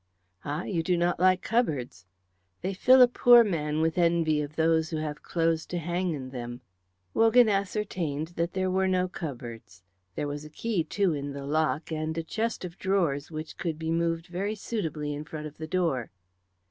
"Ah! you do not like cupboards." "They fill a poor man with envy of those who have clothes to hang in them." Wogan ascertained that there were no cupboards. There was a key, too, in the lock, and a chest of drawers which could be moved very suitably in front of the door.